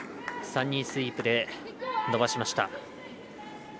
３人、スイープで伸ばしました。